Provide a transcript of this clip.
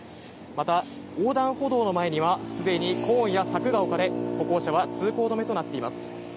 また、横断歩道の前には、すでにコーンや柵が置かれ、歩行者は通行止めとなっています。